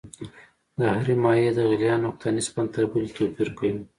د هرې مایع د غلیان نقطه نسبت تر بلې توپیر کوي.